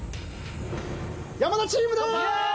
山田チームです！